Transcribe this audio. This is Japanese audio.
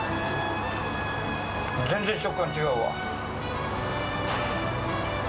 全然食感違うわ。